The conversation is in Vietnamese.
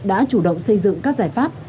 đã chủ động xây dựng các giải pháp